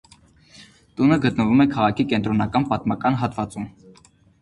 Տունը գտնվում է քաղաքի կենտրոնական պատմական հատվածում։